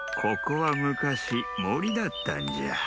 ここはむかしもりだったんじゃ。